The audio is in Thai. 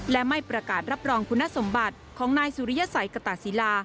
และไม่ประกาศรับรองคุณสมบัติของนายสุริยสัยกตะศิลา